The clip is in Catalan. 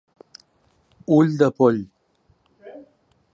Ull de poll.